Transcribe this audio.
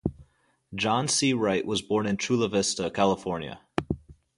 John C. Wright was born in Chula Vista, California.